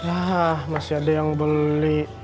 wah masih ada yang beli